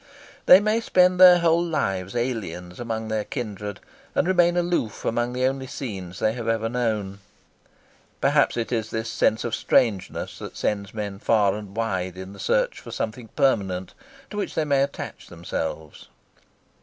They may spend their whole lives aliens among their kindred and remain aloof among the only scenes they have ever known. Perhaps it is this sense of strangeness that sends men far and wide in the search for something permanent, to which they may attach themselves.